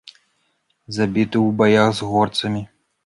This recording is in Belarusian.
Забіты ў баях з горцамі.